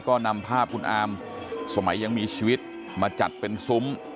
ก็นำภาพคุณอามสมัยยังมีชีวิตมาจัดเป็นซุ้ม